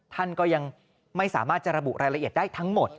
ท่านก็ยังไม่สามารถจะระบุรายละเอียดได้ทั้งหมด